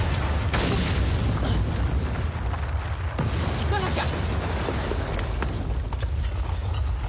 行かなきゃ！